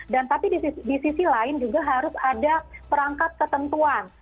dan tapi di sisi lain juga harus ada perangkat ketentuan